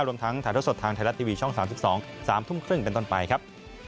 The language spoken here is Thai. รวมทั้งถ่ายท่อสดทางไทยรัฐทีวีช่อง๓๒๓ทุ่มครึ่งเป็นต้นไปครับ